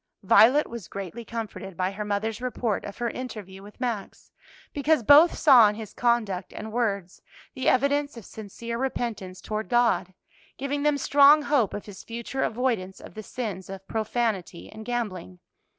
Violet was greatly comforted by her mother's report of her interview with Max, because both saw in his conduct and words the evidence of sincere repentance toward God, giving them strong hope of his future avoidance of the sins of profanity and gambling.